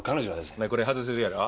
お前これ外せるやろ？